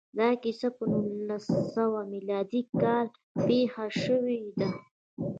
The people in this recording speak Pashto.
دا کیسه په نولس سوه میلادي کال کې پېښه شوې ده